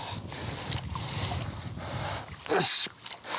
よし！